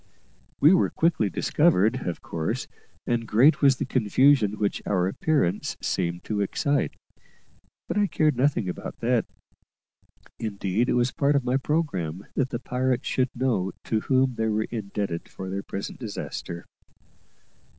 We were quickly discovered, of course, and great was the confusion which our appearance seemed to excite; but I cared nothing about that indeed, it was a part of my programme that the pirates should know to whom they were indebted for their present disaster.